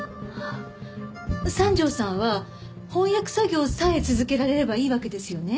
三条さんは翻訳作業さえ続けられればいいわけですよね？